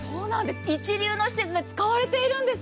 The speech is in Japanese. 一流の施設で使われているんです。